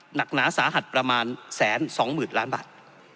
หนักหนาสาหัสประมาณแสนสองหมื่นล้านบาท